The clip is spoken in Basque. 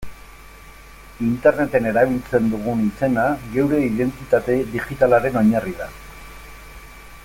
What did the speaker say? Interneten erabiltzen dugun izena geure identitate digitalaren oinarri da.